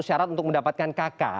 syarat untuk mendapatkan kakak